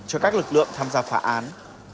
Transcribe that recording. cho các lực lượng tham gia phả án